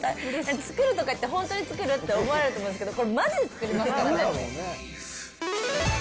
作るとか言って、本当に作る？って思われてますけど、これ、まじで作りますからね。